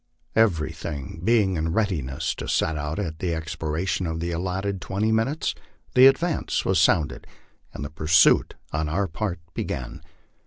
Everything being in readiness to set out at the expiration of the allotted twenty minutes, "the advance " was sounded and the pursuit on our part began.